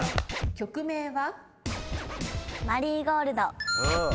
曲名は？